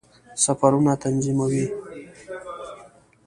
سفرونه تنظیموي.